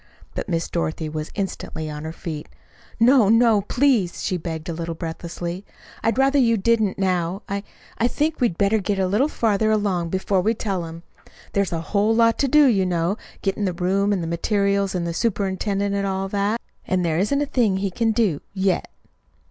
But Miss Dorothy was instantly on her feet. "No, no, please," she begged a little breathlessly. "I'd rather you didn't now. I I think we'd better get it a little farther along before we tell him. There's a whole lot to do, you know getting the room and the materials and the superintendent, and all that; and there isn't a thing he can do yet."